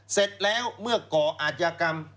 เสร็จแล้วเมื่อก่ออาจยากรรม